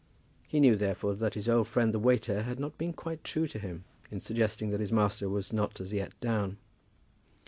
He knew therefore that his old friend the waiter had not been quite true to him in suggesting that his master was not as yet down.